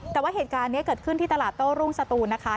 แต่ว่าเหตุการณ์นี้เกิดขึ้นที่ตลาดโต้รุ่งสตูนนะคะ